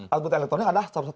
alat bukti elektronik adalah